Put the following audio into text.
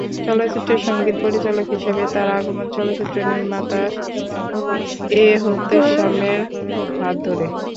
চলচ্চিত্রে সংগীত পরিচালক হিসেবে তাঁর আগমন চলচ্চিত্র নির্মাতা এহতেশামের হাত ধরে।